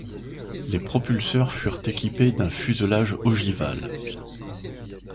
Les propulseurs furent équipés d'un fuselage ogival.